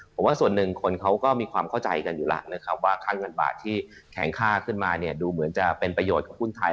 ผมว่าส่วนหนึ่งคนเขาก็มีความเข้าใจกันอยู่แล้วนะครับว่าค่าเงินบาทที่แข็งค่าขึ้นมาเนี่ยดูเหมือนจะเป็นประโยชน์กับหุ้นไทย